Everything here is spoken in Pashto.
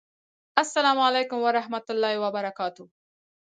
اسلام اعلیکم ورحمت الله وبرکاته